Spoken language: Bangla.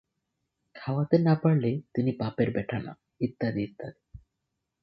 খাওয়াতে না-পারলে তিনি বাপের ব্যাটা না-ইত্যাদি ইত্যাদি।